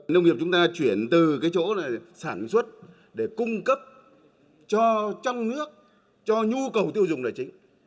nông nghiệp chúng ta chuyển từ cái chỗ là sản xuất để cung cấp cho trong nước cho nhu cầu tiêu dùng là chính